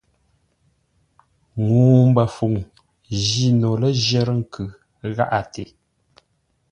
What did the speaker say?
Ŋuu mbəfuŋ jî no lə̂ ləjərə́ nkʉ gháʼate.